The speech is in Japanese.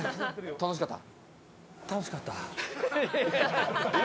楽しかった。